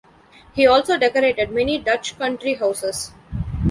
He also decorated many Dutch country-houses.